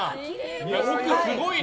奥、すごいな。